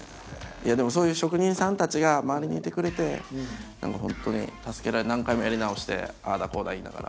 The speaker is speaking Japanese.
でもそういう職人さんたちが周りにいてくれて何か本当に何回もやり直してああだこうだ言いながら。